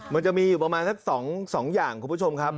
มันจะมีอยู่ประมาณสัก๒อย่างคุณผู้ชมครับ